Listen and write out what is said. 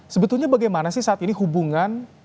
sebetulnya bagaimana sih saat ini hubungan